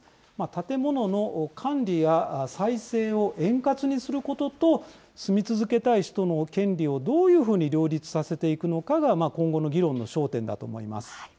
建物の管理や再生を円滑にすることと、住み続けたい人の権利をどういうふうに両立させていくのかが今後の議論の焦点だと思います。